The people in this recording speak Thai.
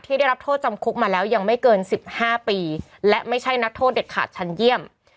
ได้รับโทษจำคุกมาแล้วยังไม่เกิน๑๕ปีและไม่ใช่นักโทษเด็ดขาดชั้นเยี่ยม